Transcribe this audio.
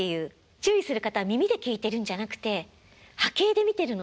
注意する方は耳で聞いてるんじゃなくて波形で見てるので。